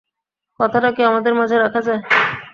কথাটা কি আমাদের মাঝে রাখা যায়।